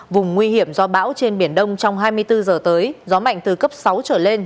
vùng nguy hiểm do bão trên biển đông trong hai mươi bốn giờ tới gió mạnh từ cấp sáu trở lên